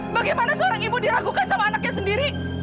bagaimana seorang ibu diragukan sama anaknya sendiri